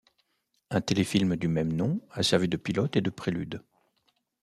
Un téléfilm du même nom a servi de pilote et de prélude.